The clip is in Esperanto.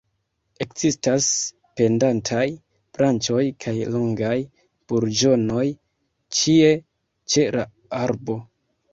Ekzistas pendantaj branĉoj kaj longaj burĝonoj ĉie ĉe la arbo.